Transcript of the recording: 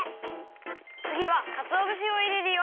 つぎはかつおぶしをいれるよ。